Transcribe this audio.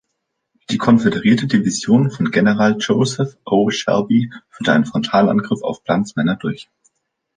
Die konföderierte Division von General Joseph O. Shelby führte einen Frontalangriff auf Blunts Männer durch.